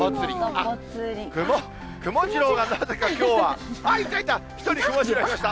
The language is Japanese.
あっ、くもジローがなぜか、きょうは、あっ、いたいた、１人、くもジローいました。